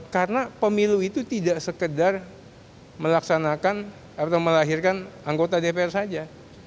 karena pemilu itu tidak sekedar melaksanakan atau melahirkan anggota dpr saja